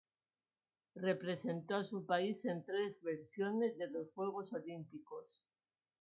Representó a su país en tres versiones de los Juegos Olímpicos.